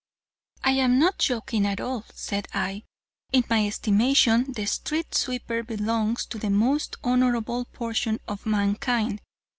"I am not joking at all," said I; "in my estimation, the street sweeper belongs to the most honorable portion of mankind.